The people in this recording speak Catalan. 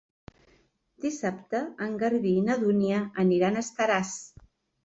Dissabte en Garbí i na Dúnia aniran a Estaràs.